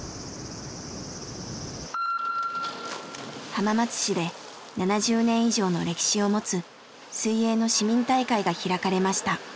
浜松市で７０年以上の歴史を持つ水泳の市民大会が開かれました。